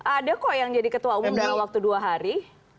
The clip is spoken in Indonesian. ada kok yang jadi ketua umum dalam waktu dua hari